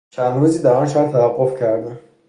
چند روزی در آن شهر توقف کردیم.